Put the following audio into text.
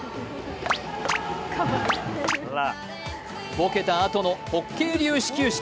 ボケたあとのホッケー流始球式。